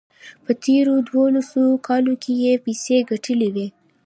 په تېرو دولسو کالو کې یې پیسې ګټلې وې.